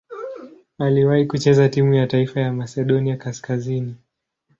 Aliwahi kucheza timu ya taifa ya Masedonia Kaskazini.